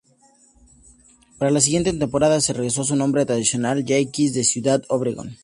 Para la siguiente temporada se regresó a su nombre tradicional Yaquis de Ciudad Obregón.